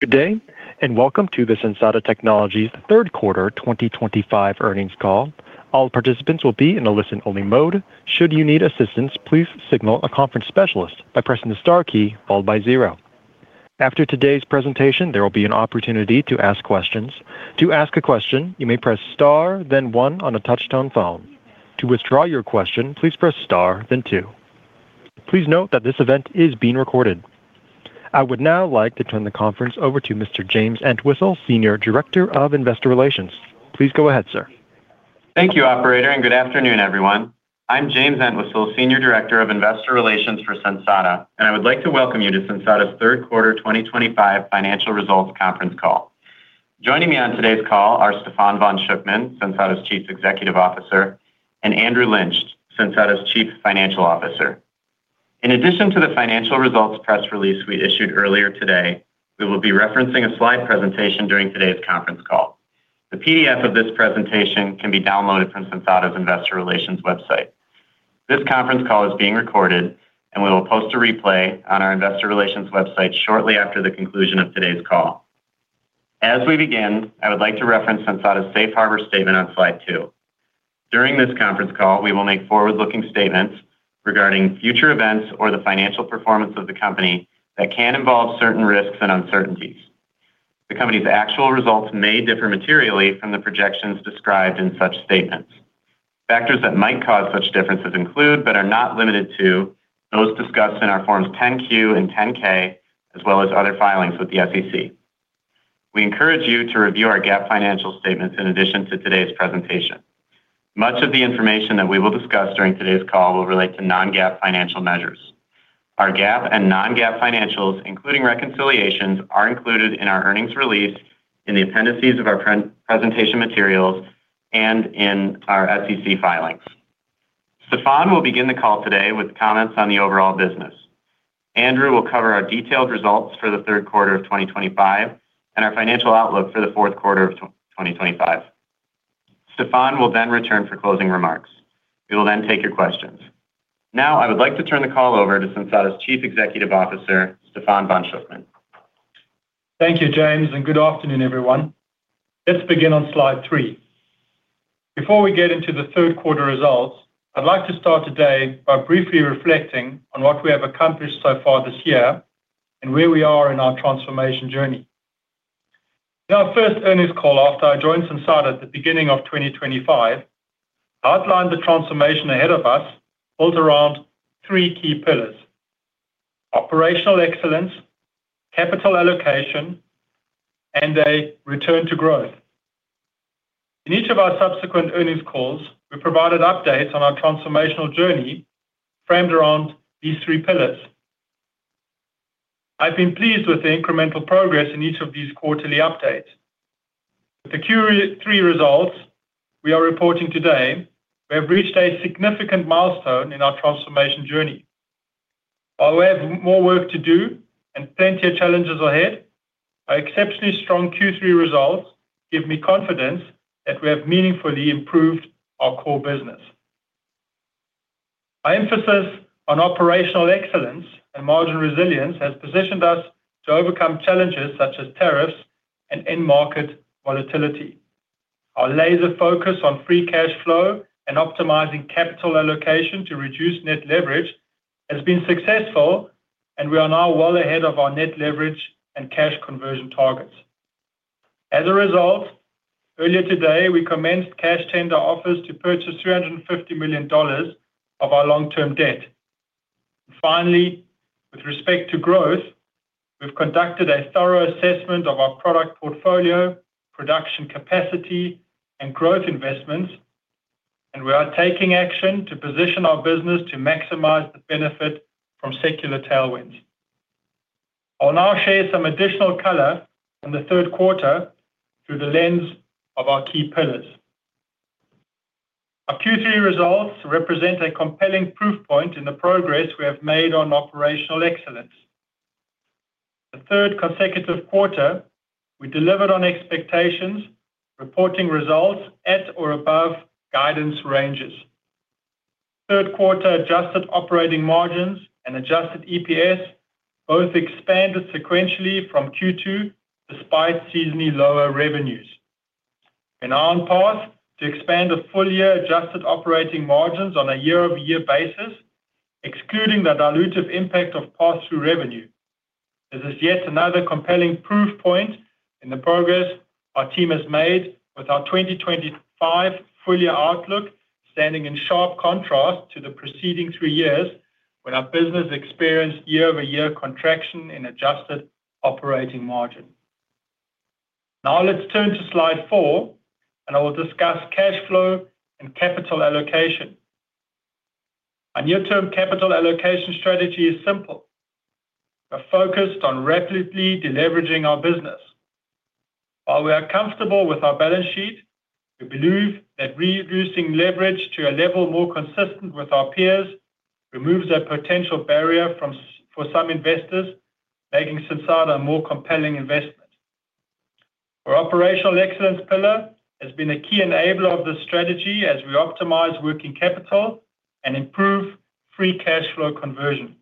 Good day and welcome to the Sensata Technologies third quarter 2025 earnings call. All participants will be in a listen-only mode. Should you need assistance, please signal a conference specialist by pressing the star key followed by zero. After today's presentation, there will be an opportunity to ask questions. To ask a question, you may press star, then one on a touch-tone phone. To withdraw your question, please press star, then two. Please note that this event is being recorded. I would now like to turn the conference over to Mr. James Entwistle, Senior Director of Investor Relations. Please go ahead, sir. Thank you, Operator, and good afternoon, everyone. I'm James Entwistle, Senior Director of Investor Relations for Sensata Technologies, and I would like to welcome you to Sensata Technologies' third quarter 2025 financial results conference call. Joining me on today's call are Stephan von Schuckmann, Sensata Technologies' Chief Executive Officer, and Andrew Lynch, Sensata Technologies' Chief Financial Officer. In addition to the financial results press release we issued earlier today, we will be referencing a slide presentation during today's conference call. The PDF of this presentation can be downloaded from Sensata Technologies' Investor Relations website. This conference call is being recorded, and we will post a replay on our Investor Relations website shortly after the conclusion of today's call. As we begin, I would like to reference Sensata Technologies' safe harbor statement on slide two. During this conference call, we will make forward-looking statements regarding future events or the financial performance of the company that can involve certain risks and uncertainties. The company's actual results may differ materially from the projections described in such statements. Factors that might cause such differences include, but are not limited to, those discussed in our forms 10-Q and 10-K, as well as other filings with the SEC. We encourage you to review our GAAP financial statements in addition to today's presentation. Much of the information that we will discuss during today's call will relate to non-GAAP financial measures. Our GAAP and non-GAAP financials, including reconciliations, are included in our earnings release, in the appendices of our presentation materials, and in our SEC filings. Stephan will begin the call today with comments on the overall business. Andrew will cover our detailed results for the third quarter of 2025 and our financial outlook for the fourth quarter of 2025. Stephan will then return for closing remarks. We will then take your questions. Now, I would like to turn the call over to Sensata Technologies' Chief Executive Officer, Stephan von Schuckmann. Thank you, James, and good afternoon, everyone. Let's begin on slide three. Before we get into the third quarter results, I'd like to start today by briefly reflecting on what we have accomplished so far this year and where we are in our transformation journey. In our first earnings call, after I joined Sensata Technologies at the beginning of 2025, I outlined the transformation ahead of us, built around three key pillars: operational excellence, capital allocation, and a return to growth. In each of our subsequent earnings calls, we provided updates on our transformational journey framed around these three pillars. I've been pleased with the incremental progress in each of these quarterly updates. With the Q3 results we are reporting today, we have reached a significant milestone in our transformation journey. While we have more work to do and plenty of challenges ahead, our exceptionally strong Q3 results give me confidence that we have meaningfully improved our core business. Our emphasis on operational excellence and margin resilience has positioned us to overcome challenges such as tariffs and end-market volatility. Our laser focus on free cash flow and optimizing capital allocation to reduce net leverage has been successful, and we are now well ahead of our net leverage and cash conversion targets. As a result, earlier today, we commenced cash tender offers to purchase $350 million of our long-term debt. Finally, with respect to growth, we've conducted a thorough assessment of our product portfolio, production capacity, and growth investments, and we are taking action to position our business to maximize the benefit from secular tailwinds. I'll now share some additional color on the third quarter through the lens of our key pillars. Our Q3 results represent a compelling proof point in the progress we have made on operational excellence. For the third consecutive quarter, we delivered on expectations, reporting results at or above guidance ranges. Third quarter adjusted operating margins and adjusted EPS both expanded sequentially from Q2, despite seasonally lower revenues. We are now on path to expand the full-year adjusted operating margins on a year-over-year basis, excluding the dilutive impact of pass-through revenue. This is yet another compelling proof point in the progress our team has made with our 2025 full-year outlook standing in sharp contrast to the preceding three years when our business experienced year-over-year contraction in adjusted operating margins. Now let's turn to slide four, and I will discuss cash flow and capital allocation. Our near-term capital allocation strategy is simple. We are focused on rapidly deleveraging our business. While we are comfortable with our balance sheet, we believe that reducing leverage to a level more consistent with our peers removes a potential barrier for some investors, making Sensata Technologies a more compelling investment. Our operational excellence pillar has been a key enabler of this strategy as we optimize working capital and improve free cash flow conversion.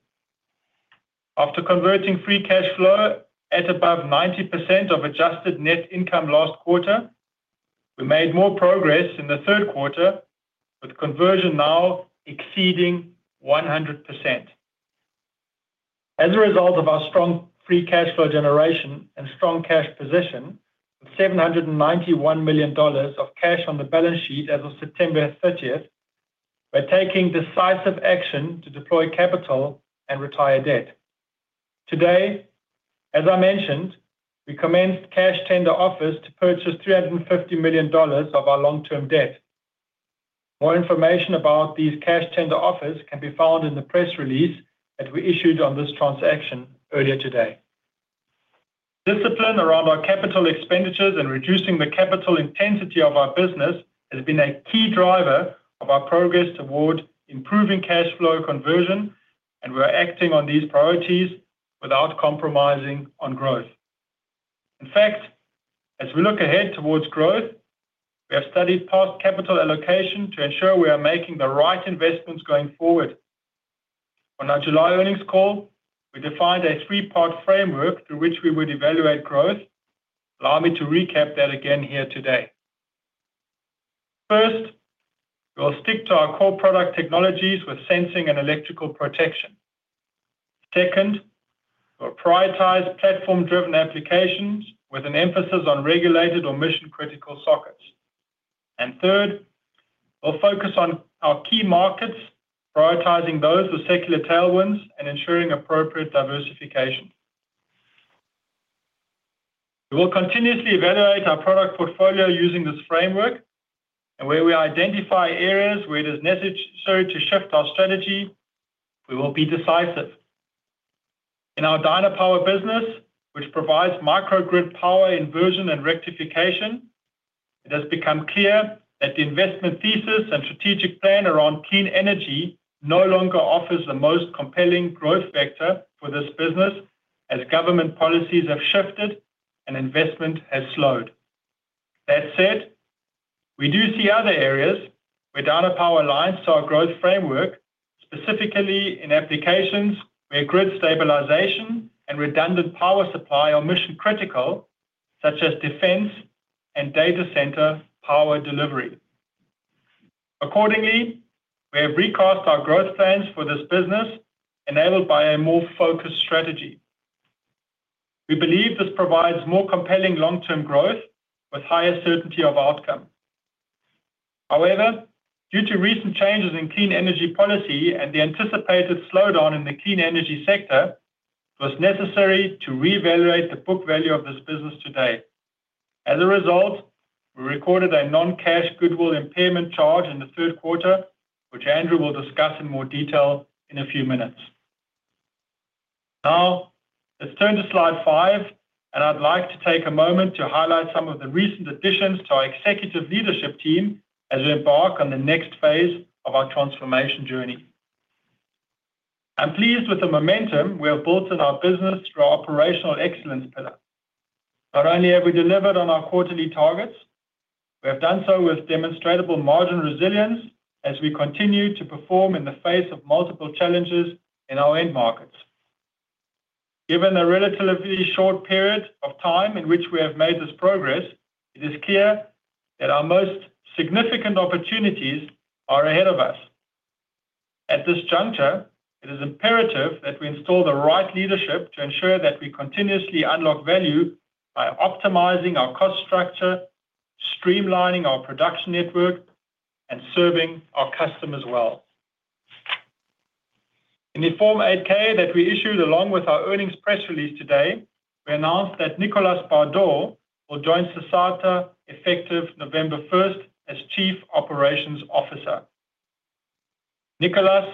After converting free cash flow at above 90% of adjusted net income last quarter, we made more progress in the third quarter, with conversion now exceeding 100%. As a result of our strong free cash flow generation and strong cash position, with $791 million of cash on the balance sheet as of September 30, we are taking decisive action to deploy capital and retire debt. Today, as I mentioned, we commenced cash tender offers to purchase $350 million of our long-term debt. More information about these cash tender offers can be found in the press release that we issued on this transaction earlier today. Discipline around our capital expenditures and reducing the capital intensity of our business has been a key driver of our progress toward improving cash flow conversion, and we are acting on these priorities without compromising on growth. In fact, as we look ahead towards growth, we have studied past capital allocation to ensure we are making the right investments going forward. On our July earnings call, we defined a three-part framework through which we would evaluate growth. Allow me to recap that again here today. First, we will stick to our core product technologies with sensing and electrical protection. Second, we will prioritize platform-driven applications with an emphasis on regulated or mission-critical sockets. Third, we will focus on our key markets, prioritizing those with secular tailwinds and ensuring appropriate diversification. We will continuously evaluate our product portfolio using this framework, and where we identify areas where it is necessary to shift our strategy, we will be decisive. In our Dynapower business, which provides microgrid power inversion and rectification, it has become clear that the investment thesis and strategic plan around clean energy no longer offers the most compelling growth vector for this business as government policies have shifted and investment has slowed. That said, we do see other areas where Dynapower aligns to our growth framework, specifically in applications where grid stabilization and redundant power supply are mission-critical, such as defense and data center power delivery. Accordingly, we have recast our growth plans for this business, enabled by a more focused strategy. We believe this provides more compelling long-term growth with higher certainty of outcome. However, due to recent changes in clean energy policy and the anticipated slowdown in the clean energy sector, it was necessary to reevaluate the book value of this business today. As a result, we recorded a non-cash goodwill impairment charge in the third quarter, which Andrew will discuss in more detail in a few minutes. Now, let's turn to slide five, and I'd like to take a moment to highlight some of the recent additions to our executive leadership team as we embark on the next phase of our transformation journey. I'm pleased with the momentum we have built in our business through our operational excellence pillar. Not only have we delivered on our quarterly targets, we have done so with demonstrable margin resilience as we continue to perform in the face of multiple challenges in our end markets. Given the relatively short period of time in which we have made this progress, it is clear that our most significant opportunities are ahead of us. At this juncture, it is imperative that we install the right leadership to ensure that we continuously unlock value by optimizing our cost structure, streamlining our production network, and serving our customers well. In the Form 8K that we issued along with our earnings press release today, we announced that Nicholas Bardot will join Sensata effective November 1st as Chief Operations Officer. Nicholas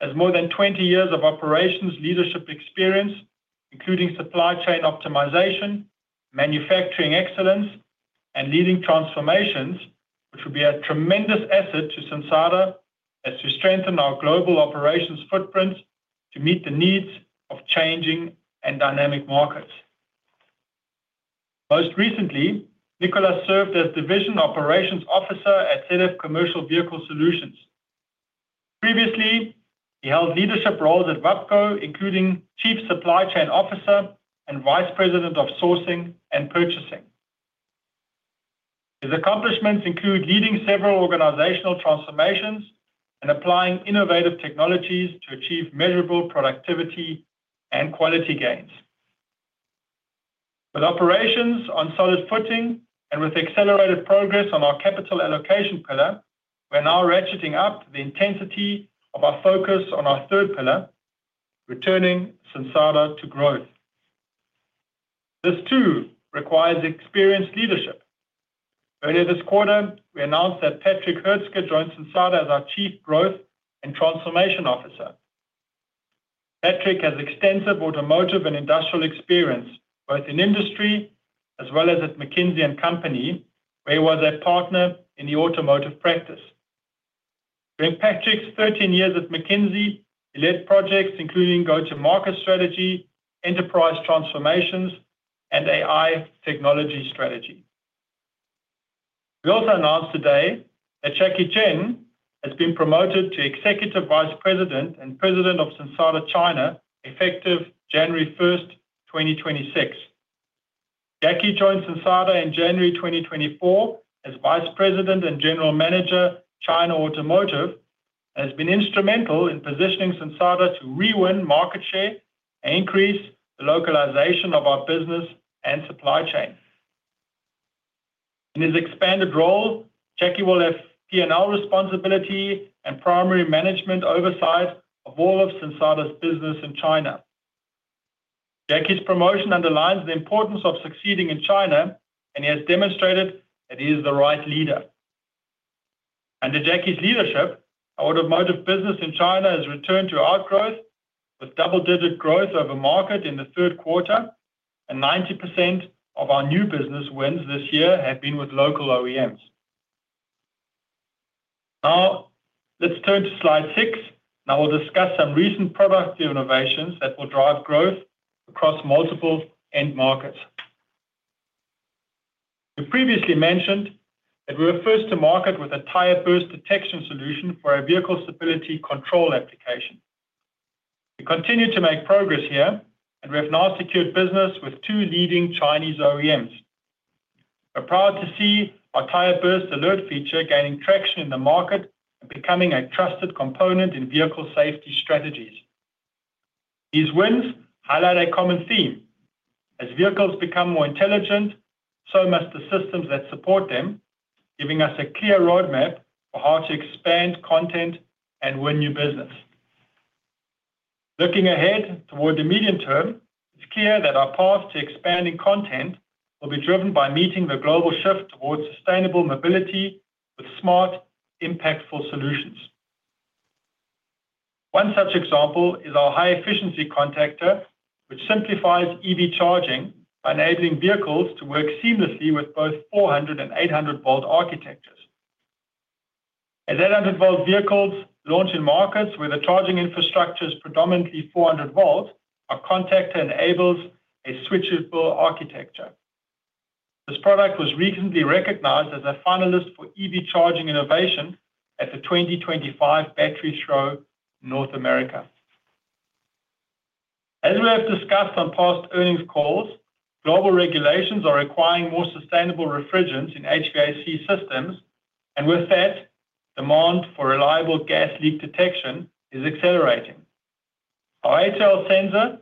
has more than 20 years of operations leadership experience, including supply chain optimization, manufacturing excellence, and leading transformations, which will be a tremendous asset to Sensata as we strengthen our global operations footprint to meet the needs of changing and dynamic markets. Most recently, Nicholas served as Division Operations Officer at ZF Commercial Vehicle Solutions. Previously, he held leadership roles at WAPCO, including Chief Supply Chain Officer and Vice President of Sourcing and Purchasing. His accomplishments include leading several organizational transformations and applying innovative technologies to achieve measurable productivity and quality gains. With operations on solid footing and with accelerated progress on our capital allocation pillar, we're now ratcheting up the intensity of our focus on our third pillar, returning Sensata to growth. This too requires experienced leadership. Earlier this quarter, we announced that Patrick Hertzke joined Sensata as our Chief Growth and Transformation Officer. Patrick has extensive automotive and industrial experience, both in industry as well as at McKinsey and Company, where he was a partner in the automotive practice. During Patrick's 13 years at McKinsey, he led projects including go-to-market strategy, enterprise transformations, and AI technology strategy. We also announced today that Jackie Chen has been promoted to Executive Vice President and President of Sensata China effective January 1, 2026. Jackie joined Sensata in January 2024 as Vice President and General Manager China Automotive, and has been instrumental in positioning Sensata to re-win market share and increase the localization of our business and supply chain. In his expanded role, Jackie will have P&L responsibility and primary management oversight of all of Sensata's business in China. Jackie's promotion underlines the importance of succeeding in China, and he has demonstrated that he is the right leader. Under Jackie's leadership, our automotive business in China has returned to outgrowth, with double-digit growth over market in the third quarter, and 90% of our new business wins this year have been with local OEMs. Now, let's turn to slide six, and I will discuss some recent product innovations that will drive growth across multiple end markets. We previously mentioned that we were first to market with a tire burst detection solution for a vehicle stability control application. We continue to make progress here, and we have now secured business with two leading Chinese OEMs. We're proud to see our tire burst alert feature gaining traction in the market and becoming a trusted component in vehicle safety strategies. These wins highlight a common theme. As vehicles become more intelligent, so must the systems that support them, giving us a clear roadmap for how to expand content and win new business. Looking ahead toward the medium term, it's clear that our path to expanding content will be driven by meeting the global shift towards sustainable mobility with smart, impactful solutions. One such example is our high-efficiency contactor, which simplifies EV charging by enabling vehicles to work seamlessly with both 400 and 800-volt architectures. As 800-volt vehicles launch in markets where the charging infrastructure is predominantly 400 volts, our contactor enables a switchable architecture. This product was recently recognized as a finalist for EV charging innovation at the 2025 Battery Throw in North America. As we have discussed on past earnings calls, global regulations are requiring more sustainable refrigerants in HVAC systems, and with that, demand for reliable gas leak detection is accelerating. Our HL gas leak detection products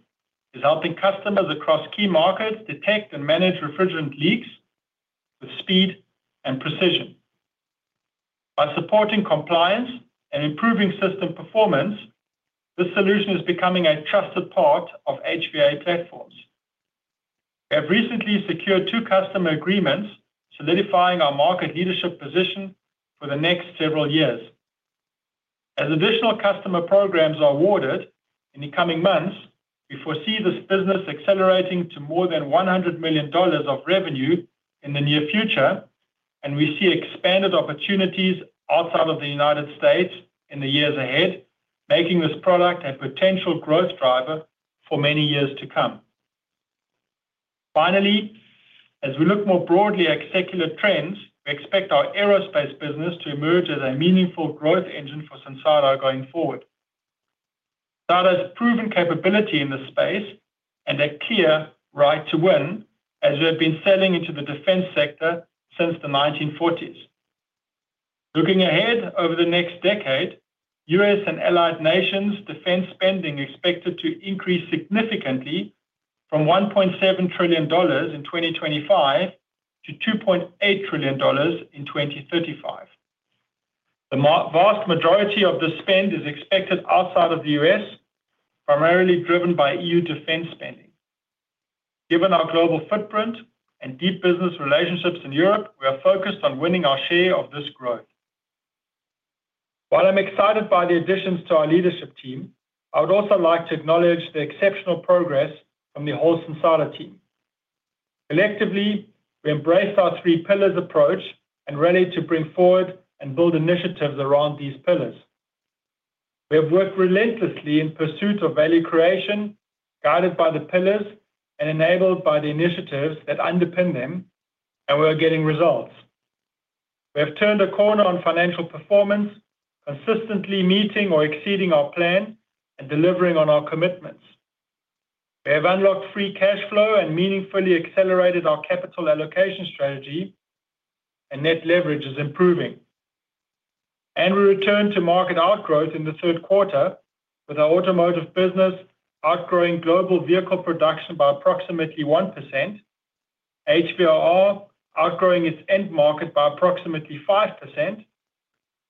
are helping customers across key markets detect and manage refrigerant leaks with speed and precision. By supporting compliance and improving system performance, this solution is becoming a trusted part of HVAC platforms. We have recently secured two customer agreements, solidifying our market leadership position for the next several years. As additional customer programs are awarded in the coming months, we foresee this business accelerating to more than $100 million of revenue in the near future, and we see expanded opportunities outside of the U.S. in the years ahead, making this product a potential growth driver for many years to come. Finally, as we look more broadly at secular tailwinds, we expect our aerospace business to emerge as a meaningful growth engine for Sensata Technologies going forward. Sensata's proven capability in this space and a clear right to win, as we have been selling into the defense sector since the 1940s. Looking ahead over the next decade, U.S. and allied nations' defense spending is expected to increase significantly from $1.7 trillion in 2025 to $2.8 trillion in 2035. The vast majority of this spend is expected outside of the U.S., primarily driven by EU defense spending. Given our global footprint and deep business relationships in Europe, we are focused on winning our share of this growth. While I'm excited by the additions to our leadership team, I would also like to acknowledge the exceptional progress from the whole Sensata team. Collectively, we embraced our three pillars approach and rallied to bring forward and build initiatives around these pillars. We have worked relentlessly in pursuit of value creation, guided by the pillars and enabled by the initiatives that underpin them, and we are getting results. We have turned a corner on financial performance, consistently meeting or exceeding our plan and delivering on our commitments. We have unlocked free cash flow and meaningfully accelerated our capital allocation strategy, and net leverage is improving. We returned to market outgrowth in the third quarter, with our automotive business outgrowing global vehicle production by approximately 1%, HVRR outgrowing its end market by approximately 5%,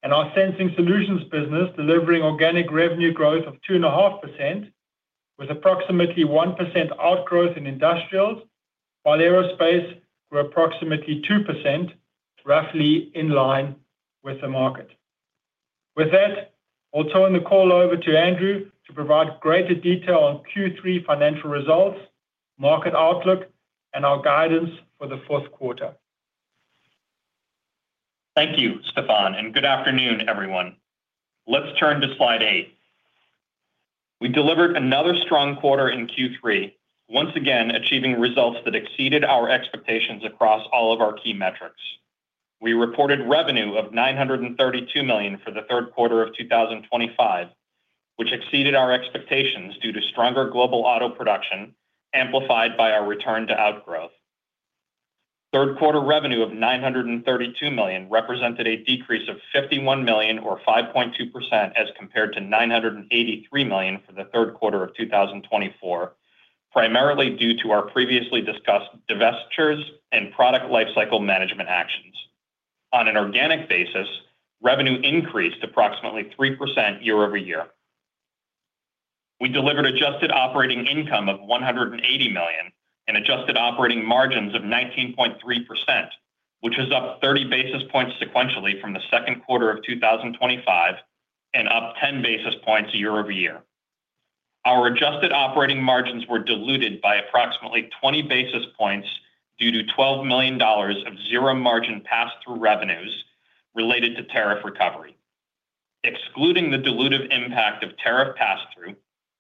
and our sensing solutions business delivering organic revenue growth of 2.5%, with approximately 1% outgrowth in industrials, while aerospace grew approximately 2%, roughly in line with the market. With that, I'll turn the call over to Andrew to provide greater detail on Q3 financial results, market outlook, and our guidance for the fourth quarter. Thank you, Stephan, and good afternoon, everyone. Let's turn to slide eight. We delivered another strong quarter in Q3, once again achieving results that exceeded our expectations across all of our key metrics. We reported revenue of $932 million for the third quarter of 2025, which exceeded our expectations due to stronger global auto production, amplified by our return to outgrowth. Third quarter revenue of $932 million represented a decrease of $51 million, or 5.2%, as compared to $983 million for the third quarter of 2024, primarily due to our previously discussed divestitures and product lifecycle management actions. On an organic basis, revenue increased approximately 3% year-over-year. We delivered adjusted operating income of $180 million and adjusted operating margins of 19.3%, which is up 30 basis points sequentially from the second quarter of 2025 and up 10 basis points year-over-year. Our adjusted operating margins were diluted by approximately 20 basis points due to $12 million of zero margin pass-through revenues related to tariff recovery. Excluding the dilutive impact of tariff pass-through,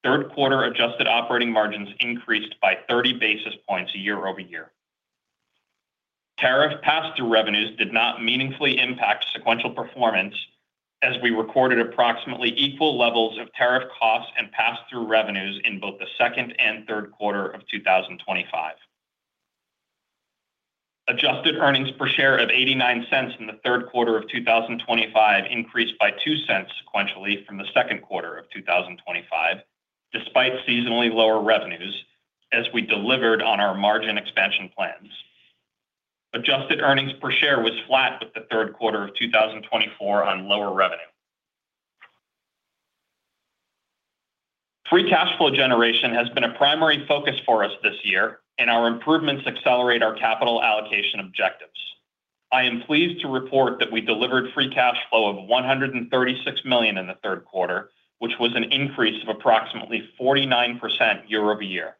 third quarter adjusted operating margins increased by 30 basis points year-over-year. Tariff pass-through revenues did not meaningfully impact sequential performance, as we recorded approximately equal levels of tariff costs and pass-through revenues in both the second and third quarter of 2025. Adjusted earnings per share of $0.89 in the third quarter of 2025 increased by $0.02 sequentially from the second quarter of 2025, despite seasonally lower revenues, as we delivered on our margin expansion plans. Adjusted earnings per share was flat with the third quarter of 2024 on lower revenue. Free cash flow generation has been a primary focus for us this year, and our improvements accelerate our capital allocation objectives. I am pleased to report that we delivered free cash flow of $136 million in the third quarter, which was an increase of approximately 49% year-over-year.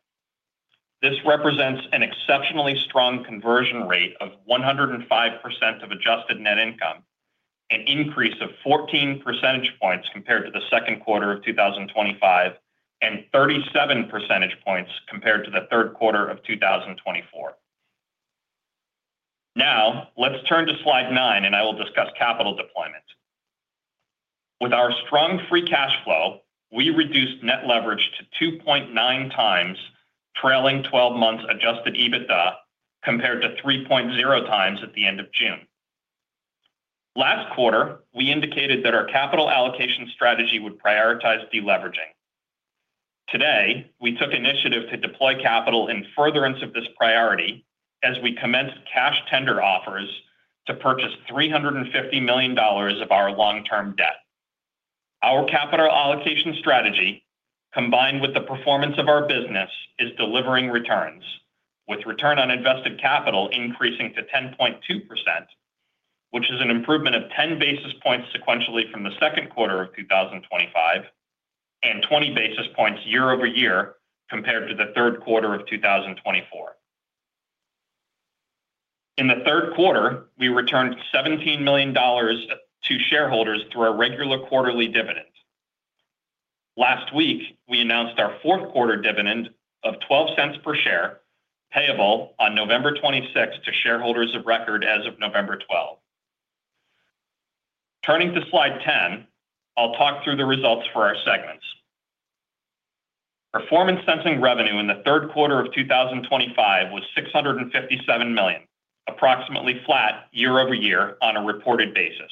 This represents an exceptionally strong conversion rate of 105% of adjusted net income, an increase of 14 percentage points compared to the second quarter of 2025, and 37 percentage points compared to the third quarter of 2024. Now, let's turn to slide nine, and I will discuss capital deployment. With our strong free cash flow, we reduced net leverage to 2.9 times, trailing 12 months Adjusted EBITDA compared to 3.0 times at the end of June. Last quarter, we indicated that our capital allocation strategy would prioritize deleveraging. Today, we took initiative to deploy capital in furtherance of this priority as we commenced cash tender offers to purchase $350 million of our long-term debt. Our capital allocation strategy, combined with the performance of our business, is delivering returns, with return on invested capital increasing to 10.2%, which is an improvement of 10 basis points sequentially from the second quarter of 2025 and 20 basis points year-over-year compared to the third quarter of 2024. In the third quarter, we returned $17 million to shareholders through a regular quarterly dividend. Last week, we announced our fourth quarter dividend of $0.12 per share, payable on November 26 to shareholders of record as of November 12. Turning to slide 10, I'll talk through the results for our segments. Performance Sensing revenue in the third quarter of 2025 was $657 million, approximately flat year-over-year on a reported basis.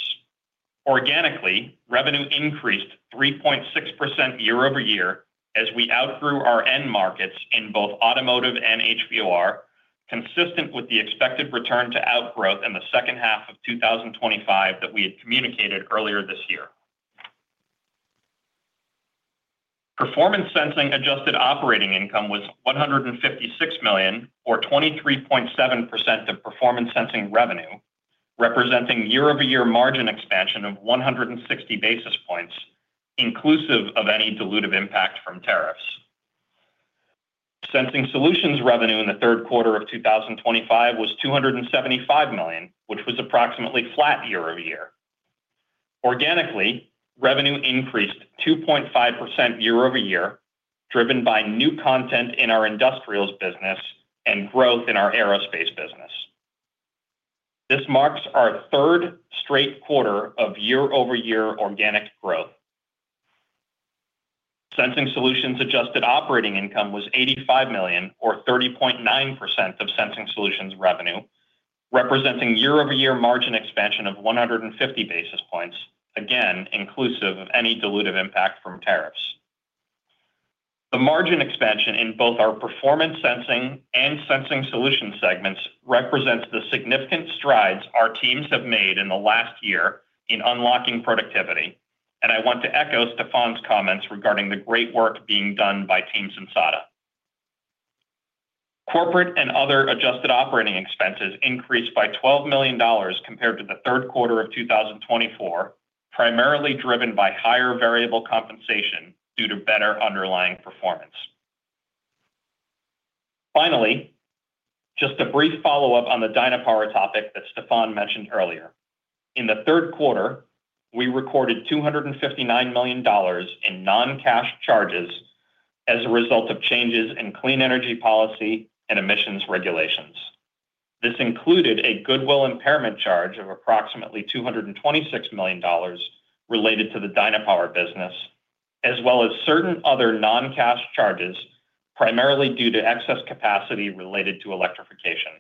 Organically, revenue increased 3.6% year-over-year as we outgrew our end markets in both automotive and HVR, consistent with the expected return to outgrowth in the second half of 2025 that we had communicated earlier this year. Performance Sensing adjusted operating income was $156 million, or 23.7% of Performance Sensing revenue, representing year-over-year margin expansion of 160 basis points, inclusive of any dilutive impact from tariffs. Sensing Solutions revenue in the third quarter of 2025 was $275 million, which was approximately flat year-over-year. Organically, revenue increased 2.5% year-over-year, driven by new content in our industrials business and growth in our aerospace business. This marks our third straight quarter of year-over-year organic growth. Sensing Solutions adjusted operating income was $85 million, or 30.9% of Sensing Solutions revenue, representing year-over-year margin expansion of 150 basis points, again inclusive of any dilutive impact from tariffs. The margin expansion in both our Performance Sensing and Sensing Solutions segments represents the significant strides our teams have made in the last year in unlocking productivity, and I want to echo Stephan's comments regarding the great work being done by Team Sensata. Corporate and other adjusted operating expenses increased by $12 million compared to the third quarter of 2024, primarily driven by higher variable compensation due to better underlying performance. Finally, just a brief follow-up on the Dynapower topic that Stephan mentioned earlier. In the third quarter, we recorded $259 million in non-cash charges as a result of changes in clean energy policy and emissions regulations. This included a goodwill impairment charge of approximately $226 million related to the Dynapower business, as well as certain other non-cash charges, primarily due to excess capacity related to electrification.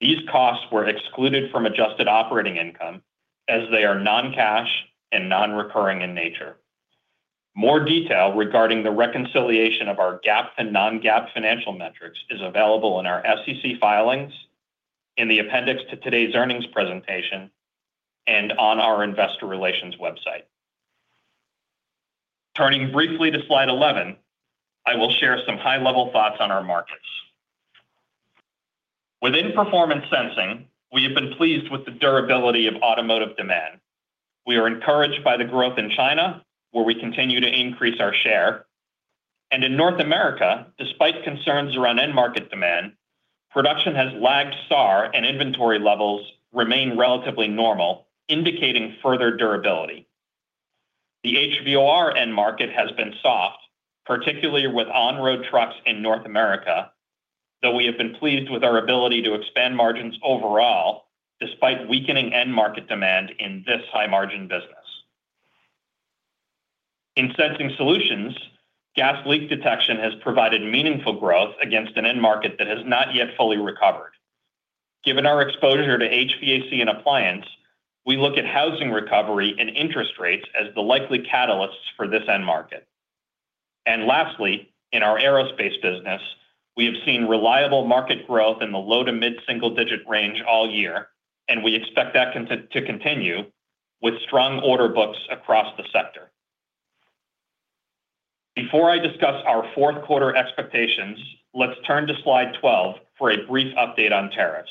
These costs were excluded from adjusted operating income as they are non-cash and non-recurring in nature. More detail regarding the reconciliation of our GAAP and non-GAAP financial metrics is available in our SEC filings, in the appendix to today's earnings presentation, and on our Investor Relations website. Turning briefly to slide 11, I will share some high-level thoughts on our markets. Within Performance Sensing, we have been pleased with the durability of automotive demand. We are encouraged by the growth in China, where we continue to increase our share, and in North America, despite concerns around end market demand, production has lagged far and inventory levels remain relatively normal, indicating further durability. The HVR end market has been soft, particularly with on-road trucks in North America, though we have been pleased with our ability to expand margins overall, despite weakening end market demand in this high-margin business. In Sensing Solutions, gas leak detection has provided meaningful growth against an end market that has not yet fully recovered. Given our exposure to HVAC and appliance, we look at housing recovery and interest rates as the likely catalysts for this end market. Lastly, in our aerospace business, we have seen reliable market growth in the low to mid-single-digit range all year, and we expect that to continue with strong order books across the sector. Before I discuss our fourth quarter expectations, let's turn to slide 12 for a brief update on tariffs.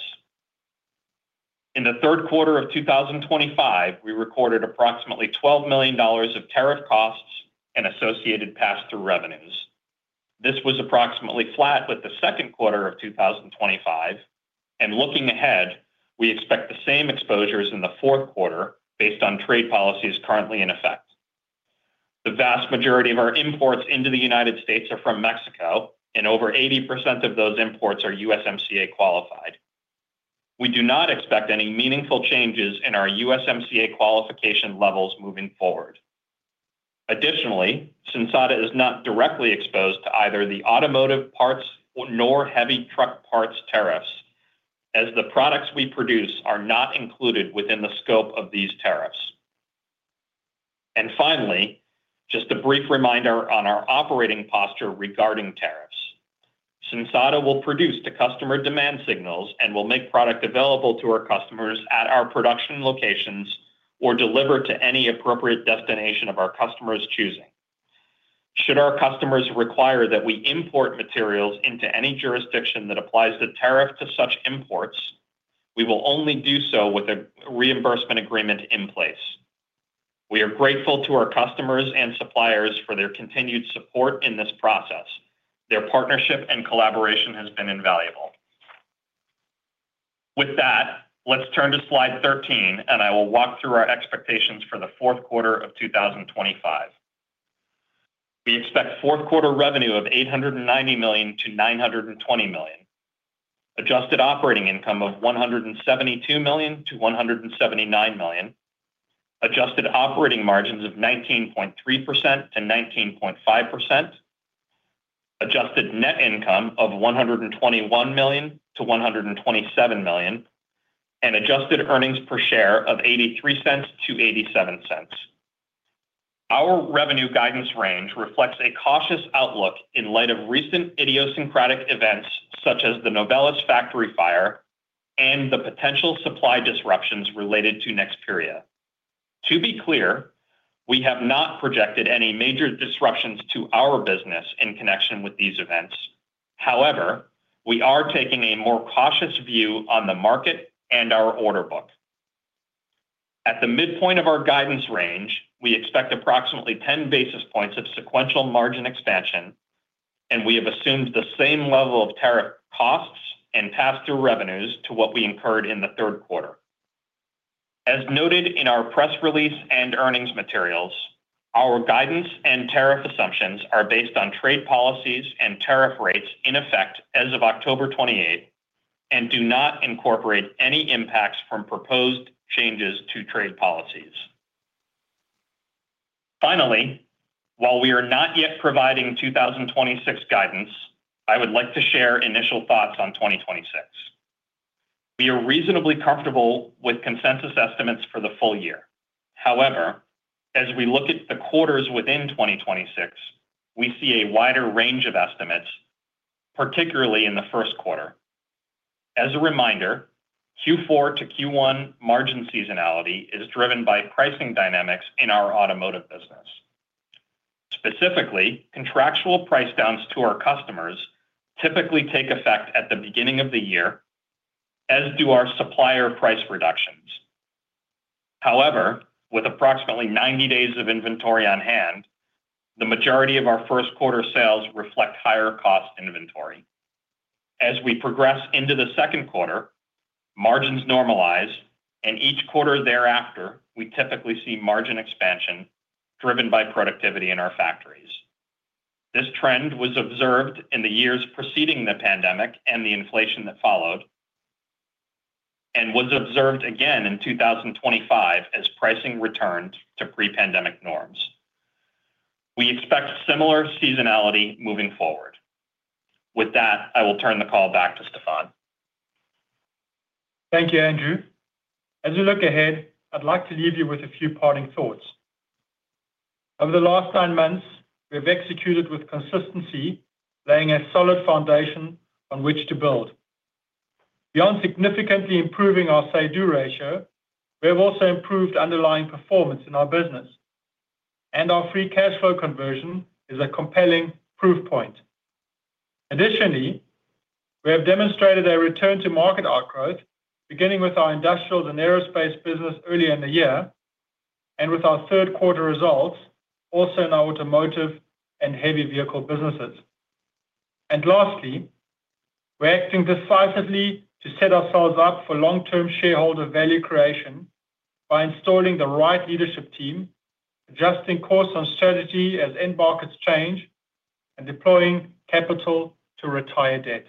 In the third quarter of 2025, we recorded approximately $12 million of tariff costs and associated pass-through revenues. This was approximately flat with the second quarter of 2025, and looking ahead, we expect the same exposures in the fourth quarter based on trade policies currently in effect. The vast majority of our imports into the U.S. are from Mexico, and over 80% of those imports are USMCA qualified. We do not expect any meaningful changes in our USMCA qualification levels moving forward. Additionally, Sensata Technologies is not directly exposed to either the automotive parts nor heavy truck parts tariffs, as the products we produce are not included within the scope of these tariffs. Finally, just a brief reminder on our operating posture regarding tariffs. Sensata Technologies will produce to customer demand signals and will make product available to our customers at our production locations or deliver to any appropriate destination of our customers' choosing. Should our customers require that we import materials into any jurisdiction that applies the tariff to such imports, we will only do so with a reimbursement agreement in place. We are grateful to our customers and suppliers for their continued support in this process. Their partnership and collaboration has been invaluable. With that, let's turn to slide 13, and I will walk through our expectations for the fourth quarter of 2025. We expect fourth quarter revenue of $890 million-$920 million, adjusted operating income of $172 million-$179 million, adjusted operating margins of 19.3%-19.5%, adjusted net income of $121 million-$127 million, and adjusted earnings per share of $0.83-$0.87. Our revenue guidance range reflects a cautious outlook in light of recent idiosyncratic events such as the Novelis factory fire and the potential supply disruptions related to Nexperia. To be clear, we have not projected any major disruptions to our business in connection with these events. However, we are taking a more cautious view on the market and our order book. At the midpoint of our guidance range, we expect approximately 10 basis points of sequential margin expansion, and we have assumed the same level of tariff costs and pass-through revenues to what we incurred in the third quarter. As noted in our press release and earnings materials, our guidance and tariff assumptions are based on trade policies and tariff rates in effect as of October 28 and do not incorporate any impacts from proposed changes to trade policies. Finally, while we are not yet providing 2026 guidance, I would like to share initial thoughts on 2026. We are reasonably comfortable with consensus estimates for the full year. However, as we look at the quarters within 2026, we see a wider range of estimates, particularly in the first quarter. As a reminder, Q4 to Q1 margin seasonality is driven by pricing dynamics in our automotive business. Specifically, contractual price downs to our customers typically take effect at the beginning of the year, as do our supplier price reductions. However, with approximately 90 days of inventory on hand, the majority of our first quarter sales reflect higher cost inventory. As we progress into the second quarter, margins normalize, and each quarter thereafter, we typically see margin expansion driven by productivity in our factories. This trend was observed in the years preceding the pandemic and the inflation that followed, and was observed again in 2025 as pricing returned to pre-pandemic norms. We expect similar seasonality moving forward. With that, I will turn the call back to Stephan. Thank you, Andrew. As we look ahead, I'd like to leave you with a few parting thoughts. Over the last nine months, we have executed with consistency, laying a solid foundation on which to build. Beyond significantly improving our sale ratio, we have also improved underlying performance in our business, and our free cash flow conversion is a compelling proof point. Additionally, we have demonstrated a return to market outgrowth, beginning with our industrials and aerospace business earlier in the year with our third quarter results also in our automotive and heavy vehicle businesses. Lastly, we're acting decisively to set ourselves up for long-term shareholder value creation by installing the right leadership team, adjusting course on strategy as end markets change, and deploying capital to retire debt.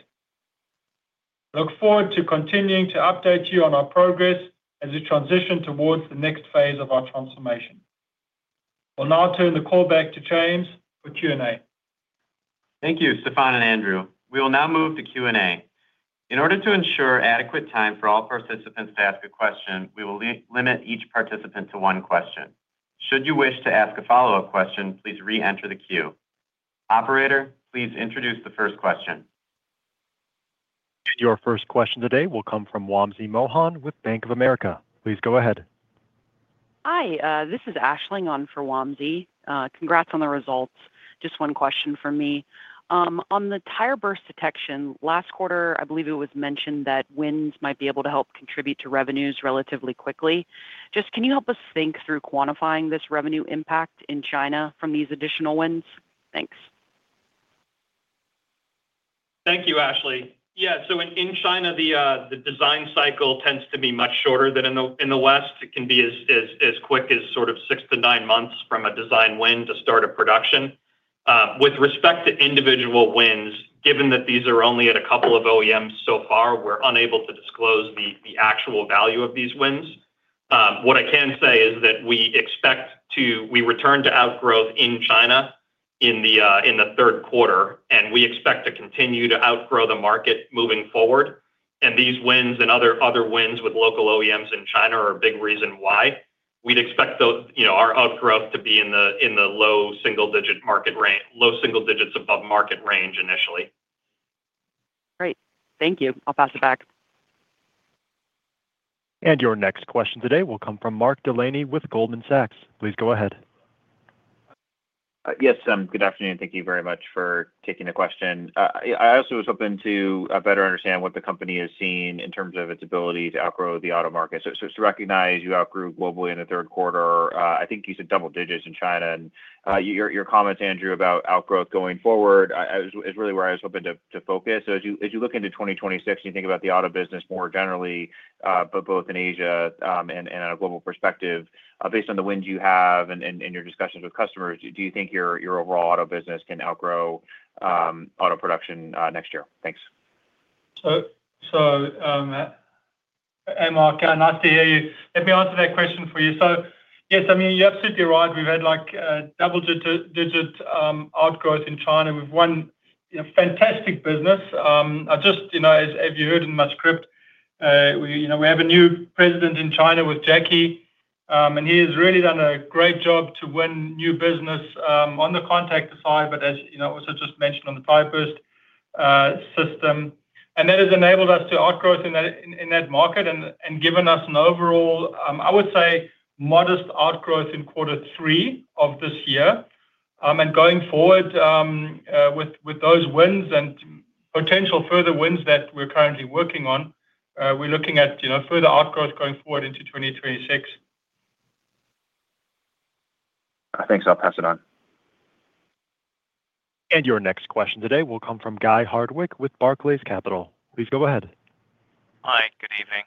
I look forward to continuing to update you on our progress as we transition towards the next phase of our transformation. We'll now turn the call back to James for Q&A. Thank you, Stephan and Andrew. We will now move to Q&A. In order to ensure adequate time for all participants to ask a question, we will limit each participant to one question. Should you wish to ask a follow-up question, please re-enter the queue. Operator, please introduce the first question. Your first question today will come from Wamsi Mohan with Bank of America. Please go ahead. Hi, this is Ashley Nguyen for Wamsi. Congrats on the results. Just one question from me. On the tire burst detection, last quarter, I believe it was mentioned that wins might be able to help contribute to revenues relatively quickly. Can you help us think through quantifying this revenue impact in China from these additional wins? Thanks. Thank you, Ashley. In China, the design cycle tends to be much shorter than in the West. It can be as quick as six to nine months from a design win to start of production. With respect to individual wins, given that these are only at a couple of OEMs so far, we're unable to disclose the actual value of these wins. What I can say is that we expect to return to outgrowth in China in the third quarter, and we expect to continue to outgrow the market moving forward. These wins and other wins with local OEMs in China are a big reason why. We'd expect our outgrowth to be in the low single-digit market range, low single digits above market range initially. Great. Thank you. I'll pass it back. Your next question today will come from Mark Delaney with Goldman Sachs. Please go ahead. Yes, good afternoon. Thank you very much for taking the question. I also was hoping to better understand what the company is seeing in terms of its ability to outgrow the auto market. You outgrew globally in the third quarter. I think you said double digits in China. Your comments, Andrew, about outgrowth going forward is really where I was hoping to focus. As you look into 2026 and you think about the auto business more generally, both in Asia and in a global perspective, based on the wins you have and your discussions with customers, do you think your overall auto business can outgrow auto production next year? Thanks. Mark, nice to hear you. Let me answer that question for you. Yes, you're absolutely right. We've had double-digit outgrowth in China. We've won fantastic business. As you heard in my script, we have a new President in China with Jackie, and he has really done a great job to win new business on the contactor side, but as you also just mentioned on the tire burst system. That has enabled us to outgrow in that market and given us an overall, I would say, modest outgrowth in Q3 of this year. Going forward with those wins and potential further wins that we're currently working on, we're looking at further outgrowth going forward into 2026. Thanks. I'll pass it on. Your next question today will come from Guy Hardwick with Barclays Capital. Please go ahead. Hi, good evening.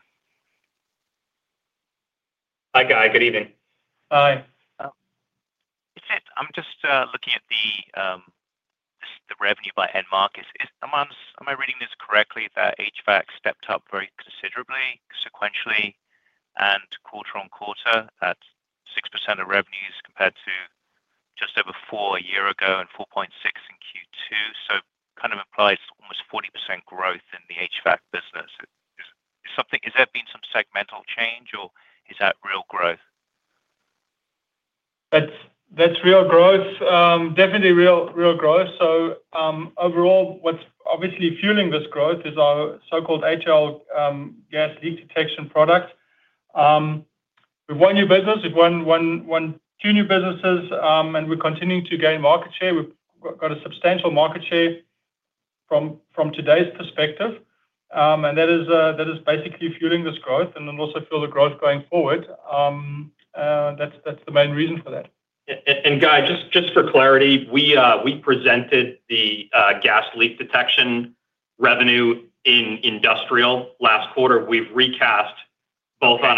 Hi, Guy. Good evening. Hi. I'm just looking at the revenue by Ed Marcus. Am I reading this correctly that HVAC stepped up very considerably sequentially and quarter on quarter at 6% of revenues compared to just over 4% a year ago and 4.6% in Q2? It kind of implies almost 40% growth in the HVAC business. Is that being some segmental change or is that real growth? That's real growth. Definitely real growth. What's obviously fueling this growth is our so-called HL gas leak detection products. We've won new business, we've won two new businesses, and we're continuing to gain market share. We've got a substantial market share from today's perspective. That is basically fueling this growth and will also fuel the growth going forward. That's the main reason for that. Guy, just for clarity, we presented the gas leak detection revenue in industrial last quarter. We've recast both on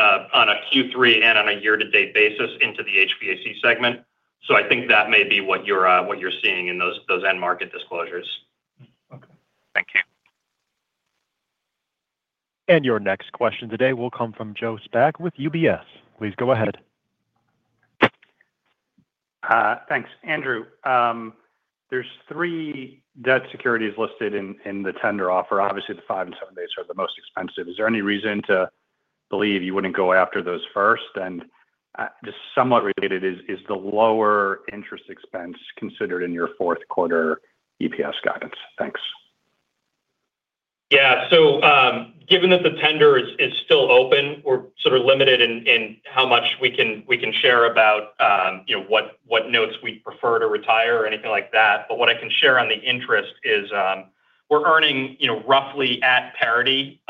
a Q3 and on a year-to-date basis into the HVAC segment. I think that may be what you're seeing in those end market disclosures. Okay, thank you. Your next question today will come from Joe Spak with UBS. Please go ahead. Thanks, Andrew. There are three debt securities listed in the tender offer. Obviously, the five and seven days are the most expensive. Is there any reason to believe you wouldn't go after those first? Just somewhat related, is the lower interest expense considered in your fourth quarter EPS guidance? Thanks. Yeah, given that the tender is still open, we're sort of limited in how much we can share about what notes we'd prefer to retire or anything like that. What I can share on the interest is we're earning roughly at parity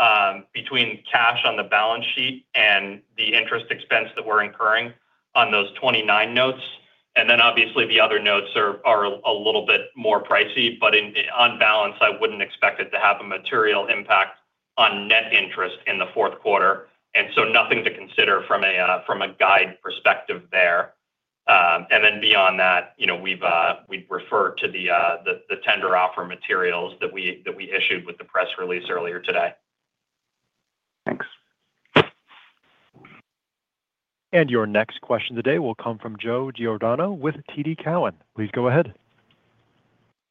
between cash on the balance sheet and the interest expense that we're incurring on those 29 notes. Obviously, the other notes are a little bit more pricey. On balance, I wouldn't expect it to have a material impact on net interest in the fourth quarter, so nothing to consider from a guide perspective there. Beyond that, we'd refer to the tender offer materials that we issued with the press release earlier today. Thanks. Your next question today will come from Joe Giordano with TD Cowen. Please go ahead.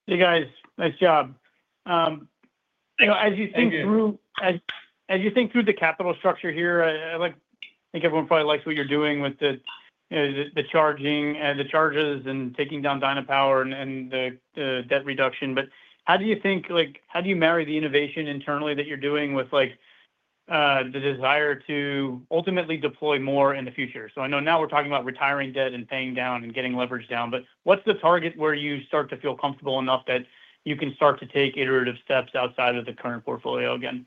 Hey, guys. Nice job. As you think through the capital structure here, I think everyone probably likes what you're doing with the charges and taking down Dynapower and the debt reduction. How do you think, like, how do you marry the innovation internally that you're doing with, like, the desire to ultimately deploy more in the future? I know now we're talking about retiring debt and paying down and getting leverage down. What's the target where you start to feel comfortable enough that you can start to take iterative steps outside of the current portfolio again?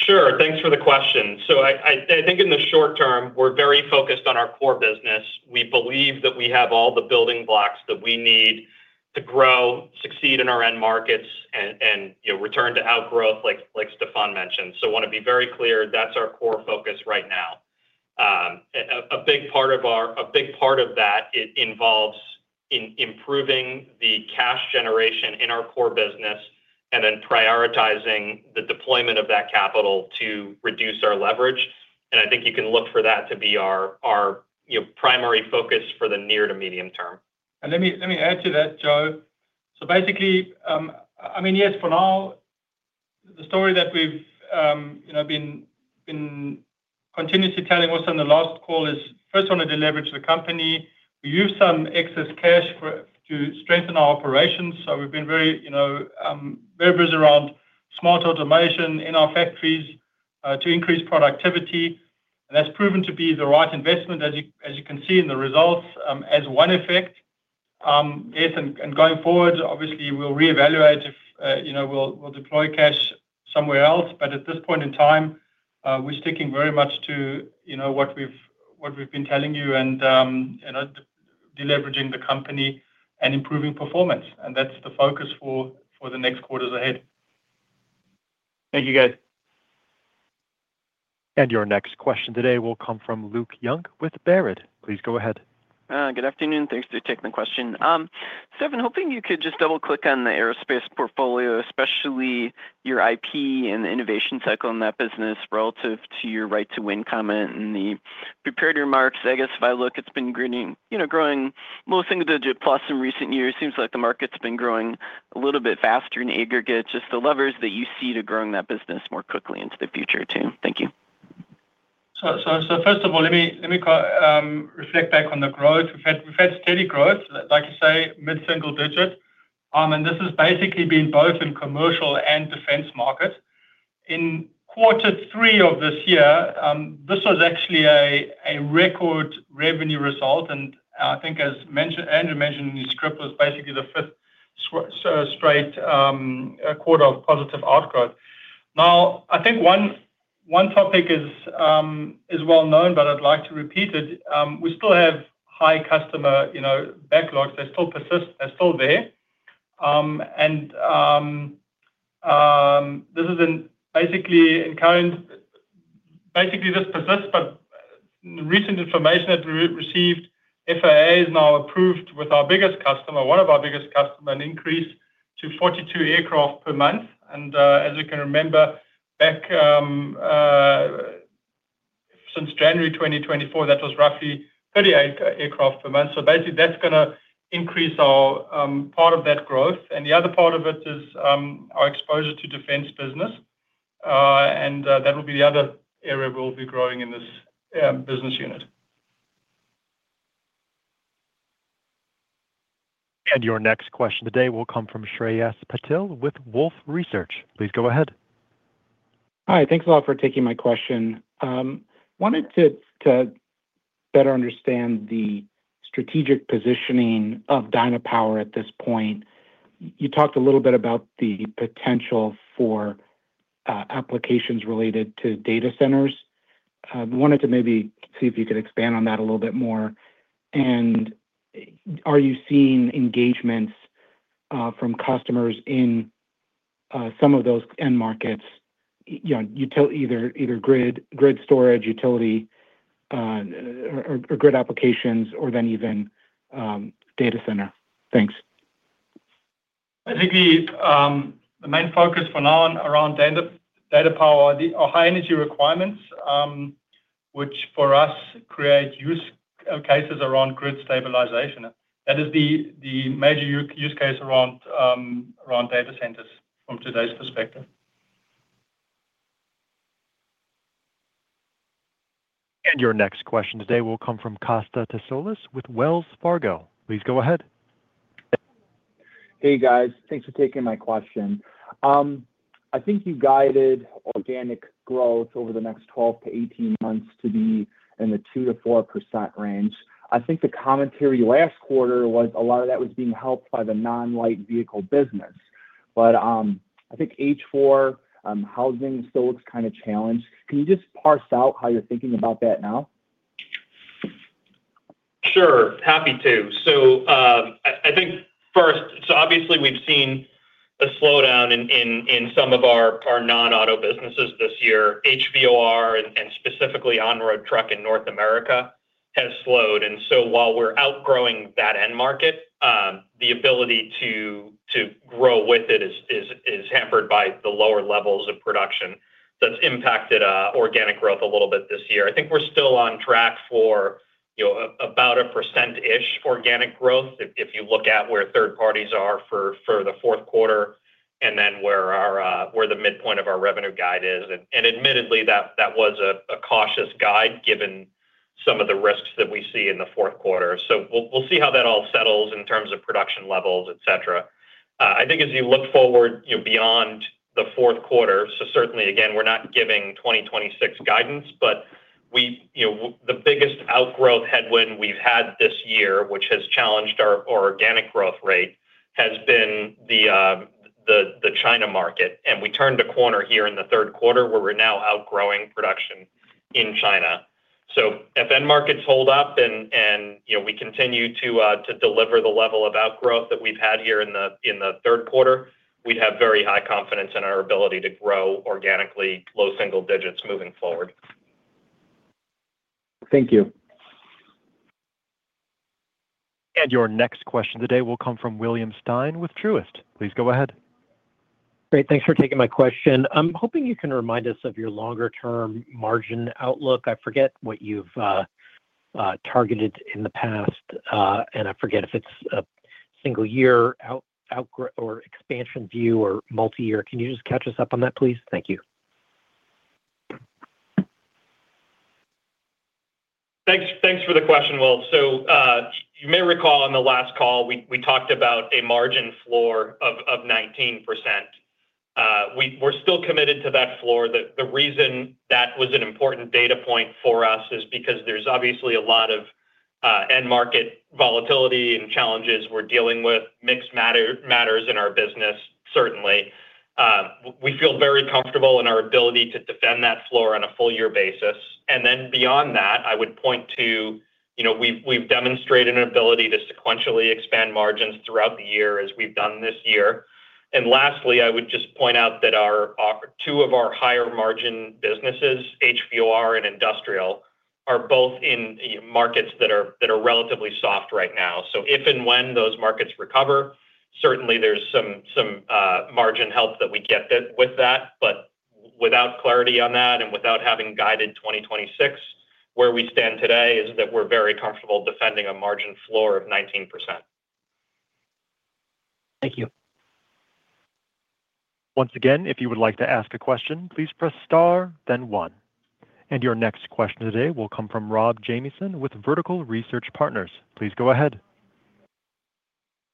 Sure. Thanks for the question. I think in the short term, we're very focused on our core business. We believe that we have all the building blocks that we need to grow, succeed in our end markets, and, you know, return to outgrowth, like Stephan mentioned. I want to be very clear, that's our core focus right now. A big part of that involves improving the cash generation in our core business and then prioritizing the deployment of that capital to reduce our leverage. I think you can look for that to be our primary focus for the near to medium term. Let me add to that, Joe. Basically, yes, for now, the story that we've been continuously telling also in the last call is first on a delivery to the company. We use some excess cash to strengthen our operations. We've been very, you know, very busy around smart automation in our factories to increase productivity. That's proven to be the right investment, as you can see in the results, as one effect. Yes, going forward, obviously, we'll reevaluate if, you know, we'll deploy cash somewhere else. At this point in time, we're sticking very much to, you know, what we've been telling you and deleveraging the company and improving performance. That's the focus for the next quarters ahead. Thank you, guys. Your next question today will come from Luke Junk from Baird. Please go ahead. Good afternoon. Thanks for taking the question. Stephan, hoping you could just double-click on the aerospace portfolio, especially your IP and the innovation cycle in that business relative to your right-to-win comment in the prepared remarks. I guess if I look, it's been growing low single-digit plus in recent years. It seems like the market's been growing a little bit faster in aggregate. Just the levers that you see to growing that business more quickly into the future too. Thank you. First of all, let me reflect back on the growth. We've had steady growth, like you say, mid-single digit. This has basically been both in commercial and defense markets. In quarter three of this year, this was actually a record revenue result. I think, as Andrew Lynch mentioned in his script, it was basically the fifth straight quarter of positive outgrowth. One topic is well known, but I'd like to repeat it. We still have high customer backlogs. They still persist. They're still there. This persists, but in recent information that we received, FAA has now approved with one of our biggest customers an increase to 42 aircraft per month. As we can remember, back since January 2024, that was roughly 38 aircraft per month. That's going to increase our part of that growth. The other part of it is our exposure to defense business. That will be the other area we'll be growing in this business unit. Your next question today will come from Shreyas Patil with Wolfe Research. Please go ahead. Hi. Thanks a lot for taking my question. I wanted to better understand the strategic positioning of Dynapower at this point. You talked a little bit about the potential for applications related to data centers. I wanted to maybe see if you could expand on that a little bit more. Are you seeing engagements from customers in some of those end markets, you know, either grid storage, utility, or grid applications, or even data center? Thanks. I think the main focus for now around Dynapower are the high-energy requirements, which for us create use cases around grid stabilization. That is the major use case around data centers from today's perspective. Your next question today will come from Kosta Tasoulis with Wells Fargo. Please go ahead. Hey, guys. Thanks for taking my question. I think you guided organic growth over the next 12-18 months to be in the 2%-4% range. I think the commentary last quarter was a lot of that was being helped by the non-light vehicle business. I think H4 housing still looks kind of challenged. Can you just parse out how you're thinking about that now? Sure. Happy to. I think first, obviously, we've seen a slowdown in some of our non-auto businesses this year. HVOR and specifically on-road truck in North America has slowed. While we're outgrowing that end market, the ability to grow with it is hampered by the lower levels of production. That's impacted organic growth a little bit this year. I think we're still on track for about a percent-ish organic growth if you look at where third parties are for the fourth quarter and then where the midpoint of our revenue guide is. Admittedly, that was a cautious guide given some of the risks that we see in the fourth quarter. We'll see how that all settles in terms of production levels, etc. I think as you look forward, beyond the fourth quarter, certainly, again, we're not giving 2026 guidance, but the biggest outgrowth headwind we've had this year, which has challenged our organic growth rate, has been the China market. We turned a corner here in the third quarter where we're now outgrowing production in China. If end markets hold up and we continue to deliver the level of outgrowth that we've had here in the third quarter, we'd have very high confidence in our ability to grow organically, low single digits moving forward. Thank you. Your next question today will come from William Stein with Truist. Please go ahead. Great. Thanks for taking my question. I'm hoping you can remind us of your longer-term margin outlook. I forget what you've targeted in the past, and I forget if it's a single-year outgrowth or expansion view or multi-year. Can you just catch us up on that, please? Thank you. Thanks for the question, Will. You may recall on the last call, we talked about a margin floor of 19%. We're still committed to that floor. The reason that was an important data point for us is because there's obviously a lot of end-market volatility and challenges we're dealing with, mix matters in our business, certainly. We feel very comfortable in our ability to defend that floor on a full-year basis. Beyond that, I would point to, you know, we've demonstrated an ability to sequentially expand margins throughout the year as we've done this year. Lastly, I would just point out that two of our higher margin businesses, HVOR and industrial, are both in markets that are relatively soft right now. If and when those markets recover, certainly there's some margin help that we get with that. Without clarity on that and without having guided 2026, where we stand today is that we're very comfortable defending a margin floor of 19%. Thank you. Once again, if you would like to ask a question, please press star, then one. Your next question today will come from Rob Jamieson with Vertical Research Partners. Please go ahead.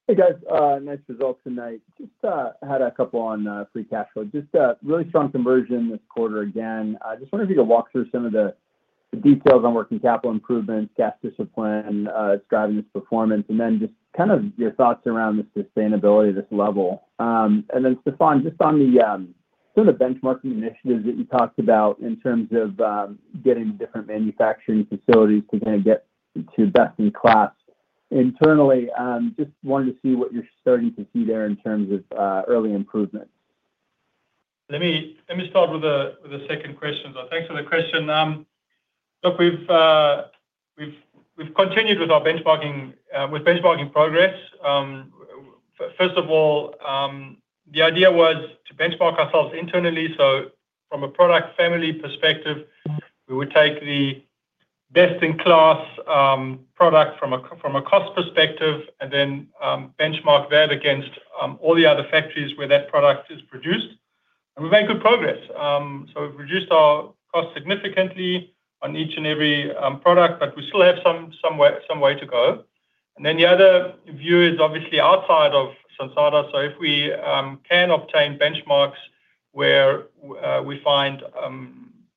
Hey, guys. Nice results tonight. Just had a couple on free cash flow. Just really strong conversion this quarter again. I just wonder if you could walk through some of the details on working capital improvements, cash discipline, it's driving this performance, and then just kind of your thoughts around the sustainability of this level. Stephan, just on some of the benchmarking initiatives that you talked about in terms of getting different manufacturing facilities to kind of get to best-in-class internally, just wanted to see what you're starting to see there in terms of early improvements. Let me start with the second question. Thanks for the question. Look, we've continued with our benchmarking progress. First of all, the idea was to benchmark ourselves internally. From a product family perspective, we would take the best-in-class product from a cost perspective and then benchmark that against all the other factories where that product is produced. We've made good progress. We've reduced our cost significantly on each and every product, but we still have some way to go. The other view is obviously outside of Sensata Technologies. If we can obtain benchmarks where we find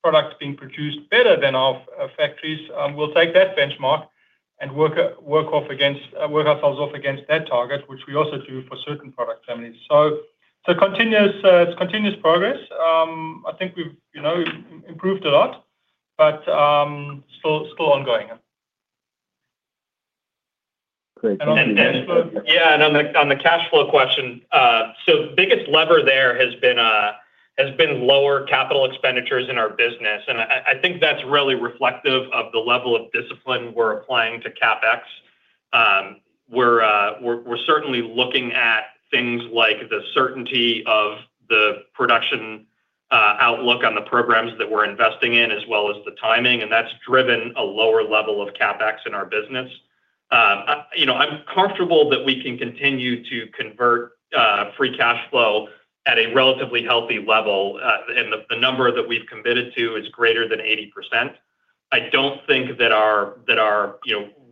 products being produced better than our factories, we'll take that benchmark and work ourselves off against that target, which we also do for certain product families. It's continuous progress. I think we've improved a lot, but still ongoing. Great. On the cash flow. Yeah, on the cash flow question, the biggest lever there has been lower capital expenditures in our business. I think that's really reflective of the level of discipline we're applying to CapEx. We're certainly looking at things like the certainty of the production outlook on the programs that we're investing in, as well as the timing. That's driven a lower level of CapEx in our business. I'm comfortable that we can continue to convert free cash flow at a relatively healthy level. The number that we've committed to is greater than 80%. I don't think that our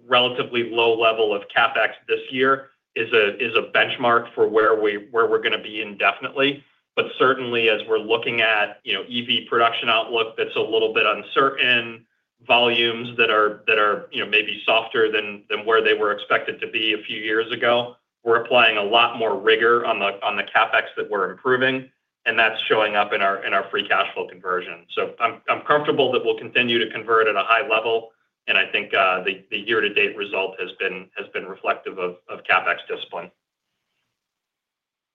relatively low level of CapEx this year is a benchmark for where we're going to be indefinitely. Certainly, as we're looking at EV production outlook that's a little bit uncertain, volumes that are maybe softer than where they were expected to be a few years ago, we're applying a lot more rigor on the CapEx that we're approving. That's showing up in our free cash flow conversion. I'm comfortable that we'll continue to convert at a high level. I think the year-to-date result has been reflective of CapEx discipline.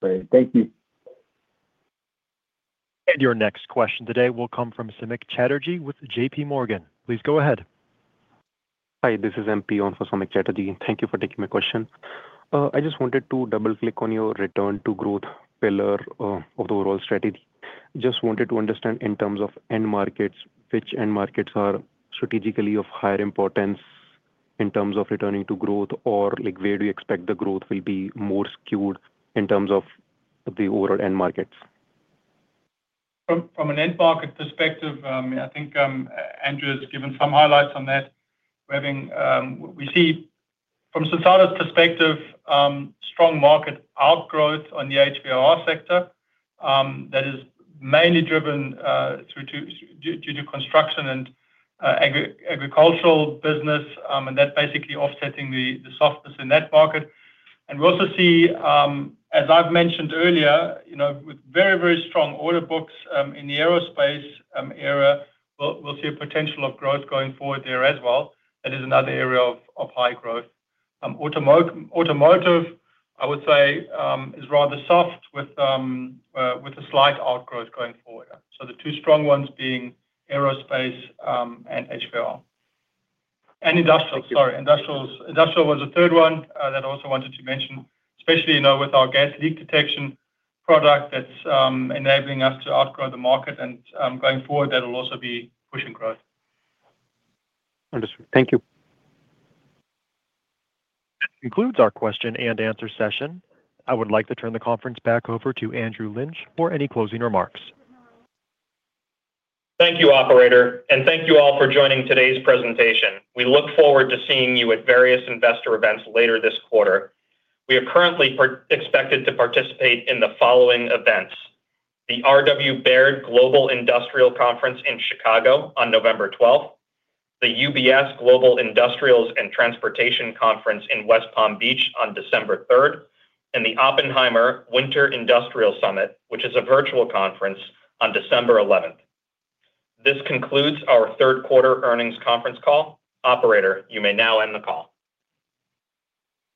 Great, thank you. Your next question today will come from Samik Chatterjee with J.P. Morgan. Please go ahead. Hi, this is MP on for Samik Chatterjee. Thank you for taking my question. I just wanted to double-click on your return to growth pillar of the overall strategy. I just wanted to understand in terms of end markets, which end markets are strategically of higher importance in terms of returning to growth, or where do you expect the growth will be more skewed in terms of the overall end markets? From an end market perspective, I think Andrew has given some highlights on that. We see from Sensata's perspective strong market outgrowth on the HVRR sector. That is mainly driven due to construction and agricultural business, and that's basically offsetting the softness in that market. We also see, as I've mentioned earlier, with very, very strong order books in the aerospace area, we'll see a potential of growth going forward there as well. That is another area of high growth. Automotive, I would say, is rather soft with a slight outgrowth going forward. The two strong ones being aerospace and HVR. Industrial was the third one that I also wanted to mention, especially with our gas leak detection product that's enabling us to outgrow the market. Going forward, that will also be pushing growth. Understood. Thank you. That concludes our question-and-answer session. I would like to turn the conference back over to Andrew Lynch for any closing remarks. Thank you, Operator. Thank you all for joining today's presentation. We look forward to seeing you at various investor events later this quarter. We are currently expected to participate in the following events: the RW Baird Global Industrial Conference in Chicago on November 12th, the UBS Global Industrials and Transportation Conference in West Palm Beach on December 3rd, and the Oppenheimer Winter Industrial Summit, which is a virtual conference on December 11th. This concludes our third quarter earnings conference call. Operator, you may now end the call.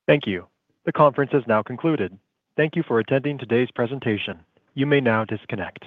Thank you. The conference is now concluded. Thank you for attending today's presentation. You may now disconnect.